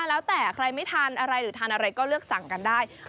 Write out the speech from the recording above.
แล้วแต่ใครไม่ทานอะไรหรือทานอะไรก็เลือกสั่งกันได้